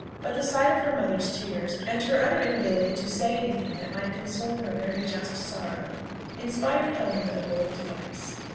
But the sight of her mother's tears, and her utter inability to say any thing that might console her very just sorrow, inspired Helen with a bold device.